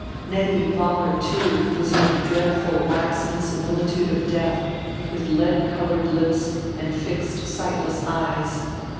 Nettie Vollar, too, was in a dreadful waxen similitude of death, with lead colored lips and fixed sightless eyes.